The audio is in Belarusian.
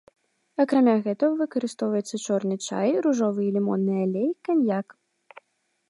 Акрамя гэтага, выкарыстоўваецца чорны чай, ружовы і лімонны алей, каньяк.